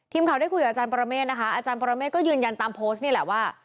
ทีมข่าวได้คุยกับอาจารย์ปรเมฆนะคะอาจารย์ปรเมฆก็ยืนยันตามโพสต์นี่แหละว่า